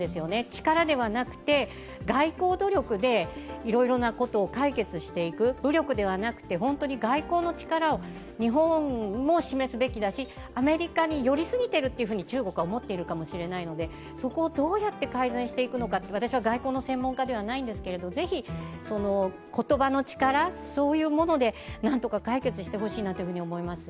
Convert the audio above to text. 力ではなくて、外交努力でいろいろなことを解決していく、武力ではなくて外交の力を日本も示すべきだしアメリカに寄りすぎてると中国は思っているかもしれないのでそこをどうやって改善していくのか、私は外交の専門家ではないんですがぜひ言葉の力でなんとか解決してほしいなと思います。